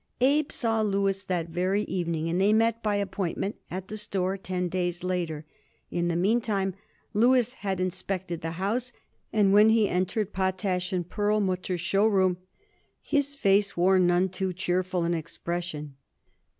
Abe saw Louis that very evening, and they met by appointment at the store ten days later. In the meantime Louis had inspected the house, and when he entered Potash & Perlmutter's show room his face wore none too cheerful an expression.